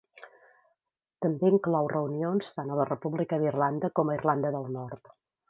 També inclou reunions tant a la República d'Irlanda com a Irlanda del Nord.